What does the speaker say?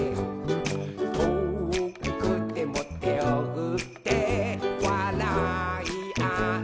「とおくてもてをふってわらいあえる」